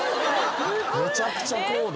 めちゃくちゃ高度。